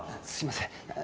すいません。